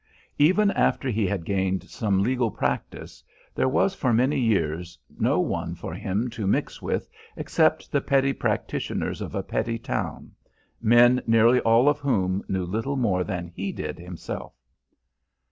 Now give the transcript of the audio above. Even after he had gained some legal practice, there was for many years no one for him to mix with except the petty practitioners of a petty town, men nearly all of whom knew little more than he did himself.